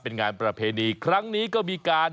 เป็นงานประเพณีครั้งนี้ก็มีการ